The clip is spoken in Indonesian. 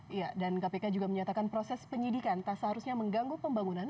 iya dan kpk juga menyatakan proses penyidikan tak seharusnya mengganggu pembangunan